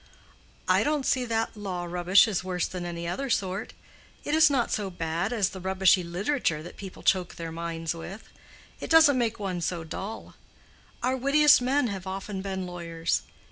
"I don't see that law rubbish is worse than any other sort. It is not so bad as the rubbishy literature that people choke their minds with. It doesn't make one so dull. Our wittiest men have often been lawyers.